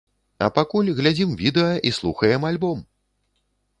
А пакуль глядзім відэа і слухаем альбом!